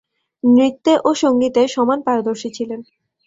নৃত্যে ও সঙ্গীতে সমান পারদর্শী ছিলেন।